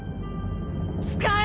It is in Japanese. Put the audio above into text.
・使え！